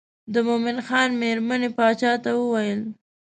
د مومن خان مېرمنې باچا ته وویل.